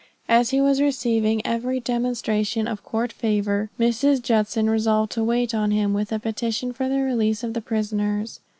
As he was receiving every demonstration of court favor, Mrs. Judson resolved to wait on him with a petition for the release of the prisoners.